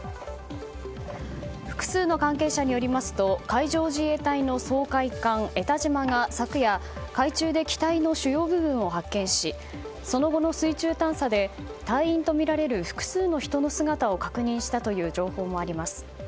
複数の関係者によりますと海上自衛隊の掃海艦「えたじま」が昨夜、海中で機体の主要部分を発見しその後の水中探査で隊員とみられる複数の人の姿を確認したという情報もあります。